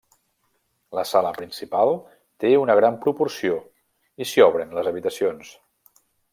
La sala principal té una gran proporció i s'hi obren les habitacions.